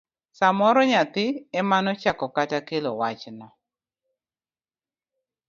samoro nyathi emane ochako kata kelo wachno.